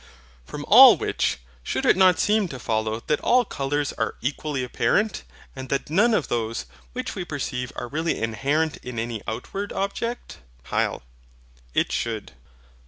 From all which, should it not seem to follow that all colours are equally apparent, and that none of those which we perceive are really inherent in any outward object? HYL. It should.